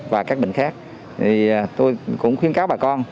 và các bệnh khác tôi cũng khuyên các bà con